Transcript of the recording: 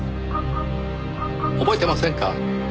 覚えてませんか？